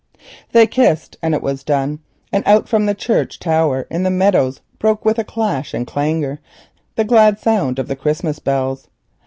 They kissed, and it was done. Out from the church tower in the meadows broke with clash and clangour a glad sound of Christmas bells.